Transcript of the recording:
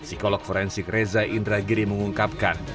psikolog forensik reza indragiri mengungkapkan